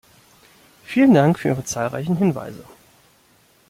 Vielen Dank für Ihre zahlreichen Hinweise.